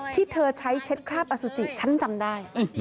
ที่เธอใช้เช็ดคราบอสุจิฉันจำได้